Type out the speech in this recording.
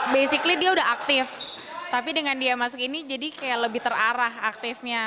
basically dia udah aktif tapi dengan dia masuk ini jadi kayak lebih terarah aktifnya